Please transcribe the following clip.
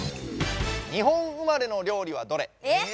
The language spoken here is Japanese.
日本生まれのりょう理はどれ？え！